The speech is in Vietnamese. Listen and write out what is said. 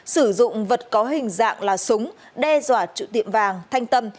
sử dụng vật có hình dạng là súng đe dọa chủ tiệm vàng thanh tâm